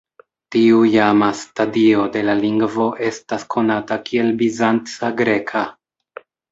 Tiu iama stadio de la lingvo estas konata kiel bizanca greka.